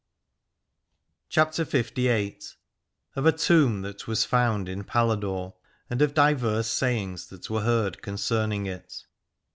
360 CHAPTER LVIII. OF A TOMB THAT WAS FOUND IN PALADORE, AND OF DIVERS SAYINGS THAT WERE HEARD CONCERNING IT.